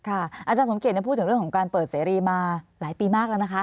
อาจารย์สมเกียจพูดถึงเรื่องของการเปิดเสรีมาหลายปีมากแล้วนะคะ